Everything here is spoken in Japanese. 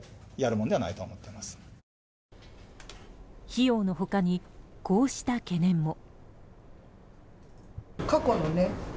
費用の他に、こうした懸念も。